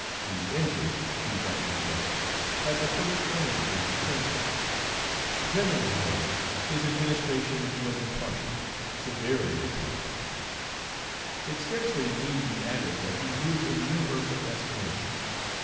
The injured, he rightly judged, had the first claim to his attention. Generally, however, his administration was impartial, severely impartial. It scarcely need be added that he grew in universal estimation.